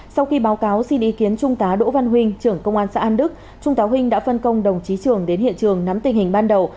sau khi báo cáo xin ý kiến trung tá đỗ văn huynh trưởng công an xã an đức trung tá huỳnh đã phân công đồng chí trường đến hiện trường nắm tình hình ban đầu